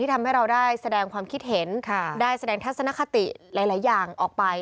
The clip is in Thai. ทำให้เราได้แสดงความคิดเห็นได้แสดงทัศนคติหลายอย่างออกไป